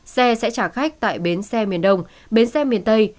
xe sẽ trả khách tại bến xe miền đông bến xe miền tây